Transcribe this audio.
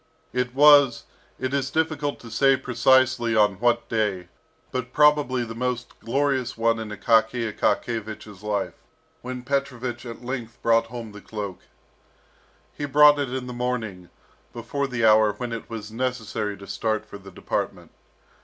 It was it is difficult to say precisely on what day, but probably the most glorious one in Akaky Akakiyevich's life, when Petrovich at length brought home the cloak. He brought it in the morning, before the hour when it was necessary to start for the department.